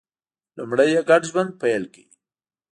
لومړی یې ګډ ژوند پیل کړ